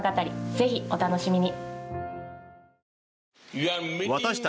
ぜひお楽しみに！